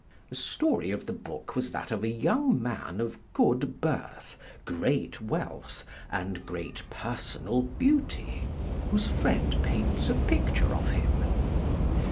The story of the book was that of a young man of good birth, great wealth and great personal beauty, whose friend paints a picture of him.